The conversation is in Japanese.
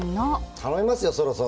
頼みますよそろそろ。